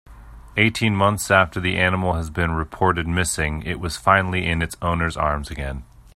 Eighteen months after the animal has been reported missing it was finally in its owner's arms again.